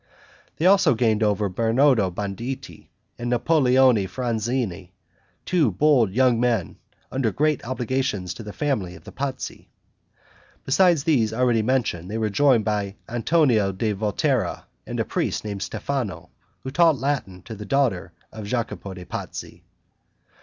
They also gained over Bernardo Bandini and Napoleone Franzeni, two bold young men, under great obligations to the family of the Pazzi. Besides those already mentioned, they were joined by Antonio da Volterra and a priest named Stefano, who taught Latin to the daughter of Jacopo de' Pazzi.